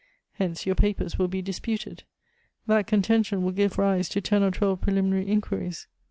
Hence, your papers will be disputed. That contention will give rise to ten or twelve preliminary inquiries.